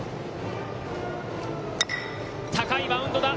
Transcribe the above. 高いバウンドだ。